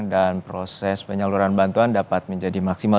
dan proses penyaluran bantuan dapat menjadi maksimal